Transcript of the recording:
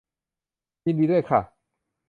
ยินดีด้วยค่ะ